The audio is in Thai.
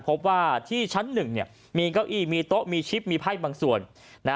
พบว่าที่ชั้น๑มีเก้าอี้มีโต๊ะมีชิปมีไพ่บางส่วน